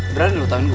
berani lo tangan gue